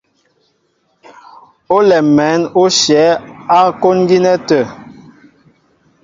Olɛm mɛ̌n ó shyɛ̌ á kwón gínɛ́ tə̂.